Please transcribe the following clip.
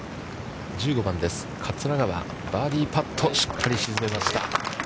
１５番です、桂川、バーディーパット、しっかり沈めました。